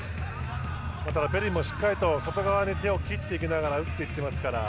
またペリンもしっかり外側に手を切っていきながら打っていっていますから。